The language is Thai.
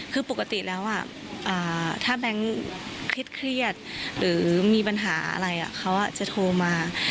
คือปกติแล้วถ้าแบงค์เครียดหรือมีปัญหาอะไรเขาจะโทรมา